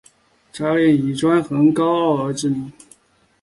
渣甸以其专横高傲而知名。